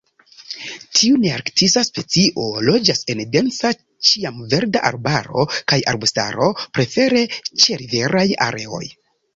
Tiu nearktisa specio loĝas en densa ĉiamverda arbaro kaj arbustaro, prefere ĉeriveraj areoj.